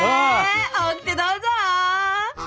オキテどうぞ！